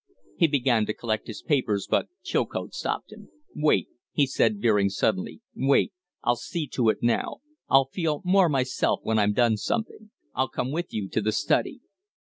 He began to collect his papers, but Chilcote stopped him. "Wait," he said, veering suddenly. "Wait. I'll see to it now. I'll feel more myself when I've done something. I'll come with you to the study."